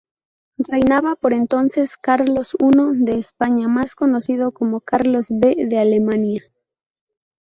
Reinaba por entonces Carlos I de España más conocido como Carlos V de Alemania.